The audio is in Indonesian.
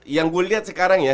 yang gue lihat sekarang ya